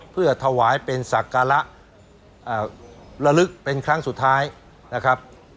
เพื่อถวายเป็นศักระลึกเป็นครั้งสุดท้ายนะครับ